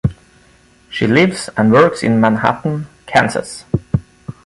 She lives and works in Manhattan, Kansas.